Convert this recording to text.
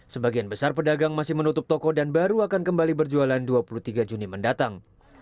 sebagian besar pedagang masih menutup toko dan baru akan kembali berjualan dua puluh tiga juni mendatang